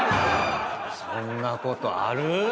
そんなことある？